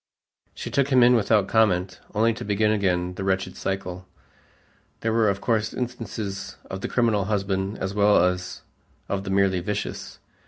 She took him in without comment, only to begin again the wretched cycle. There were of course instances of the criminal husband as well as of the merely vicious.